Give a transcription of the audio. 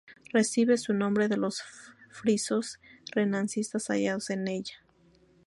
Recibe su nombre de los frisos renacentistas hallados en ella.